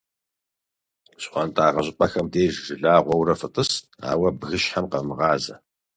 Щхуантӏагъэ щӀыпӀэхэм деж жылагъуэурэ фытӀыс, ауэ бгыщхьэм къэвмыгъазэ.